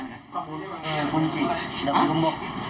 ini yang kunci dapat gembok